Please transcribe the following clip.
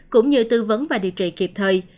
cũng như tư vấn và điều trị kịp thời